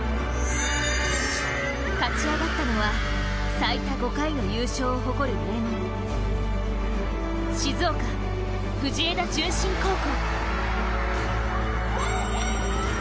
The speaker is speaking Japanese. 勝ち上がったのは最多５回の優勝を誇る名門静岡・藤枝順心高校。